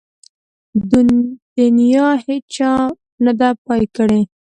د نيا هيچا نده پاى کړې.